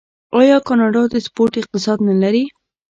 آیا کاناډا د سپورت اقتصاد نلري؟